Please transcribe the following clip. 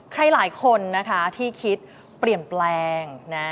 ใครหลายคนที่คิดเปลี่ยนแปลง